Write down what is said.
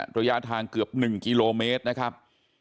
ระยะทางเกือบ๑กิโลเมตรนะครับ